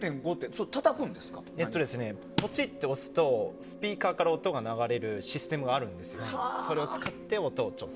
ポチって押すとスピーカーから音が流れるシステムがあるんですよ。